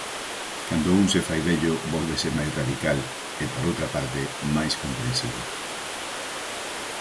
Cando un se fai vello vólvese máis radical, e, por outra parte, máis comprensivo.